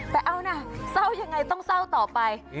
แต่เอานะเศร้ายังไงต้องเศร้าต่อไป